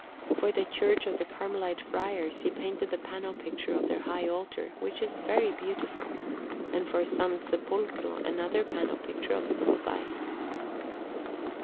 For the Church of the Carmelite Friars he painted the panel picture of their high altar, which is very beautiful, and for S. Sepolcro another panel picture of some size.